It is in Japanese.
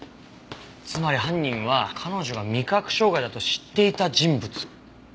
つまり犯人は彼女が味覚障害だと知っていた人物。